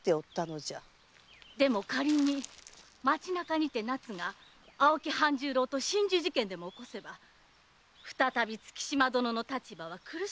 でも仮に町中にて奈津が青木半十郎と心中事件を起こせば再び月島殿の立場は苦しくなりましょう。